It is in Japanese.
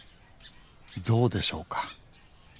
ゾウでしょうか？